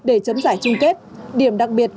để chấm giải chung kết điểm đặc biệt